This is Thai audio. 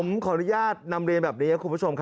ผมขออนุญาตนำเรียนแบบนี้ครับคุณผู้ชมครับ